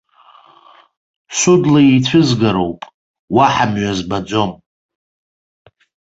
Судла ицәызгароуп, уаҳа мҩа збаӡом!